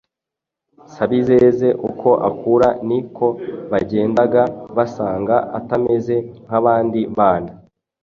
Sabizeze uko akura, ni ko bagendaga basanga atameze nk'abandi bana.